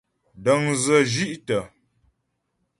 Dəŋdzə shí'tə.